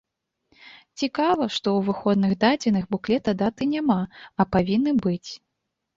Цікава, што ў выходных дадзеных буклета даты няма, а павінны быць!